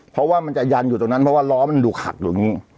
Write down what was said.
เพราะว่ามันจะยันอยู่ตรงนั้นเพราะว่าล้อมันดูขัดอยู่ตรงนี้